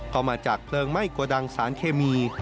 ก็มาจากแปลงไหม้กระดังสารเขมี